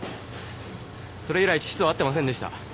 それ以来父とは会ってませんでした。